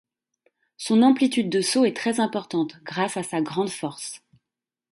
Son amplitude de saut est très importante, grâce à sa grande force.